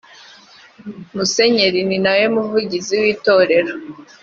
musenyeri ni nawe muvugizi w’itorero